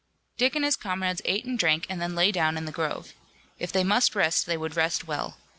Dick and his comrades ate and drank, and then lay down in the grove. If they must rest they would rest well.